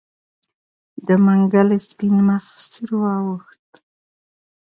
د منګلي سپين مخ سور واوښت.